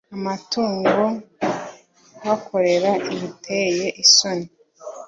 amatungo kuhakorera ibiteye isoni